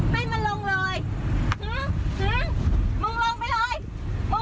ให้มันลงเลยมึงลงไปเลยมึงลงไปเลยเดี๋ยวนี้เลยน่ะ